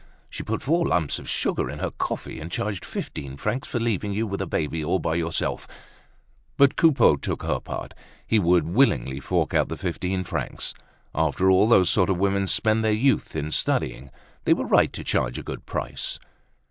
She put four lumps of sugar in her coffee, and charged fifteen francs for leaving you with your baby all by yourself. But Coupeau took her part; he would willingly fork out the fifteen francs. After all those sort of women spent their youth in studying, they were right to charge a good price.